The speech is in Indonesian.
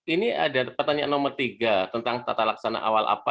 ini ada pertanyaan nomor tiga tentang tata laksana awal apa